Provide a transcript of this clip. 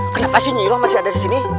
kenapa sih nyuruh masih ada di sini